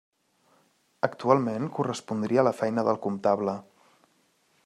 Actualment correspondria a la feina del comptable.